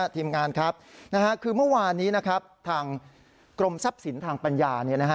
ทีมงานครับคือเมื่อวานี้ทางกรมทรัพย์ศีลทางปัญญา